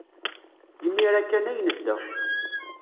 Imir-a kan ay nedda.